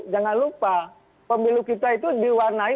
jangan lupa pemilu kita itu diwarnai